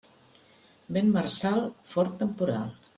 Vent marçal, fort temporal.